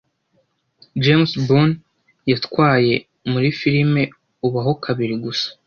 James Bond yatwaye muri firime Ubaho kabiri gusa